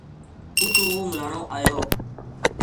اُتو وہ ملانو آیو